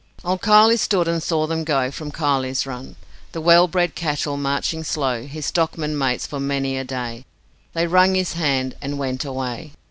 Old Kiley stood and saw them go From Kiley's Run. The well bred cattle marching slow; His stockmen, mates for many a day, They wrung his hand and went away.